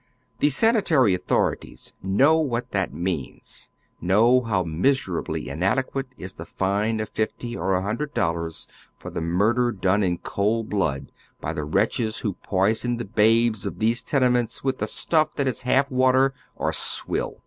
The sanitary authorities know what that means, know how miserably inadequate is the fine of fifty or a hundred dollars for the murder done in cold blood by the wretches who poison the babes of these tenements with the stuff that is half water, or swill.